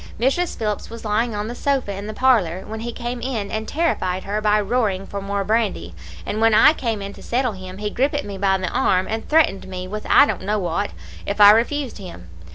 Mrs. Phillips was lying on the sofa in the parlour, when he came in and terrified her by roaring for more brandy; and when I came in to settle him, he grippit me by the arm and threatened me with I don't know what, if I refused him.